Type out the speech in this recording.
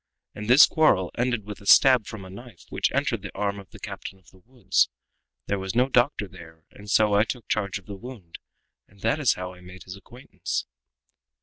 and this quarrel ended with a stab from a knife, which entered the arm of the captain of the woods. There was no doctor there, and so I took charge of the wound, and that is how I made his acquaintance."